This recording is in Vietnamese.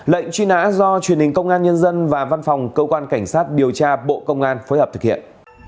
lệnh truy nã do truyền hình công an nhân dân và văn phòng cơ quan cảnh sát điều tra bộ công an phối hợp thực hiện